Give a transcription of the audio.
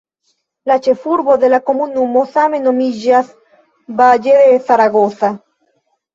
La ĉefurbo de la komunumo same nomiĝas "Valle de Zaragoza".